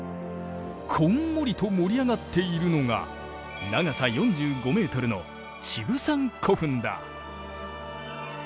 こんもりと盛り上がっているのが長さ４５メートルのチブサン古墳だ。